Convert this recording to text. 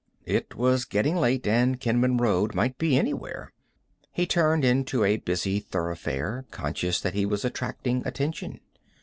It was getting late, and Kenman Road might be anywhere. He turned into a busy thoroughfare, conscious that he was attracting attention.